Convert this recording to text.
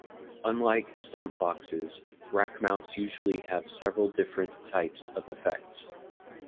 Unlike stompboxes, rackmounts usually have several different types of effects.